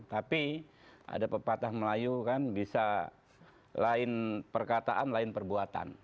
tapi ada pepatah melayu kan bisa lain perkataan lain perbuatan